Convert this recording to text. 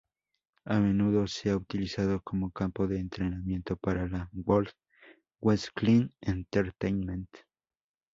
A menudo se ha utilizado como campo de entrenamiento para la World Wrestling Entertainment.